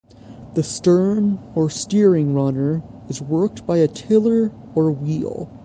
The stern or steering runner is worked by a tiller or wheel.